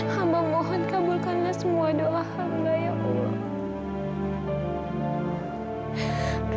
hamba mohon kabulkanlah semua doa hamba ya allah